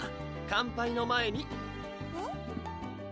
乾杯の前にうん？